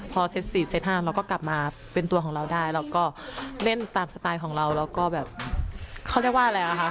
พอเซ็ต๔เซต๕เราก็กลับมาเป็นตัวของเราได้เราก็เล่นตามสไตล์ของเราแล้วก็แบบเขาเรียกว่าอะไรอ่ะคะ